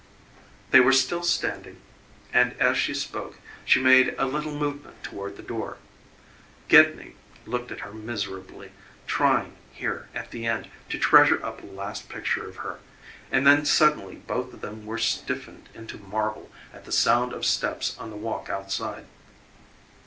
They were still standing, and as she spoke she made a little movement toward the door. Gedney looked at her miserably, trying, here at the end, to treasure up a last picture of her and then suddenly both of them were stiffened into marble at the sound of steps on the walk outside.